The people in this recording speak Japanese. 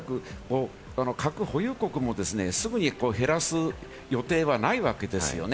核保有国もすぐに減らす予定はないわけですよね。